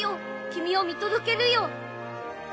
君を見届けるよ。